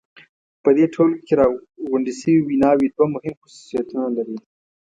په دې ټولګه کې راغونډې شوې ویناوی دوه مهم خصوصیتونه لري.